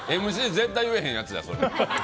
絶対言えへんやつや。